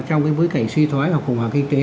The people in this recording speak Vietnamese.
trong bối cảnh suy thoái hoặc khủng hoảng kinh tế